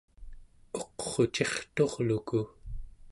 uqrucirturluku